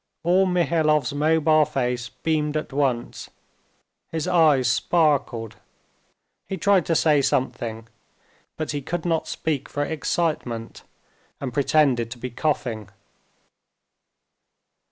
All Mihailov's mobile face beamed at once; his eyes sparkled. He tried to say something, but he could not speak for excitement, and pretended to be coughing.